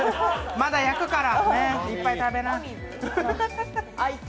まだ焼くからいっぱい食べな。